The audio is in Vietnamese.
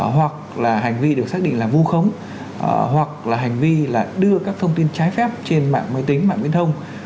hoặc là hành vi được xác định là vu khống hoặc là hành vi là đưa các thông tin trái phép trên mạng máy tính mạng viễn thông